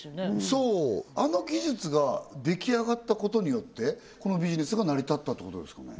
そうあの技術が出来上がったことによってこのビジネスが成り立ったってことですかね